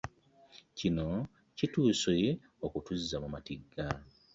Kino kituuse okutuzza mu matigga.